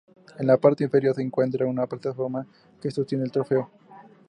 En la parte inferior se encuentra una plataforma que sostiene el trofeo.